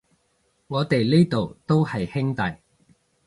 我哋呢度都係兄弟